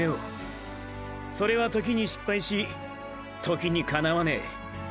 それは時に失敗し時に叶わねェ。